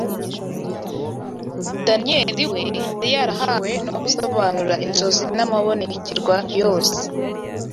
Daniyeli we yari yarahawe no gusobanura inzozi n’amabonekerwa yose